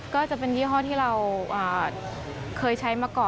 ก็จะเป็นยี่ห้อที่เราเคยใช้มาก่อน